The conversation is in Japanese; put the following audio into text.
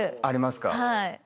ありますか？